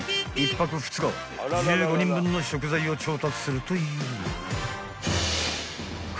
１泊２日１５人分の食材を調達するという］